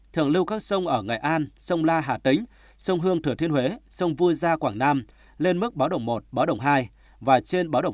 thượng lưu các sông ở ngày an sông la hà tĩnh sông hương thừa thiên huế sông vui gia quảng nam lên mức báo đồng một báo đồng hai và trên báo đồng hai